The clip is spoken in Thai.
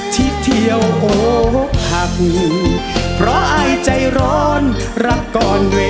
ที่เที่ยวโหกหักเพราะอายใจร้อนรักก่อนเว